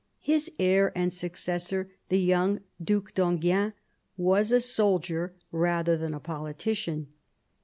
His heir and successor, the young Due d'Enghien, was a soldier rather than a politician.